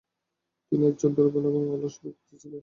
তিনি একজন দুর্বল এবং অলস ব্যক্তি ছিলেন।